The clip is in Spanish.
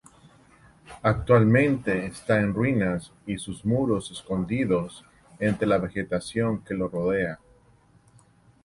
Actualmente está en ruinas y sus muros escondidos entre la vegetación que lo rodea.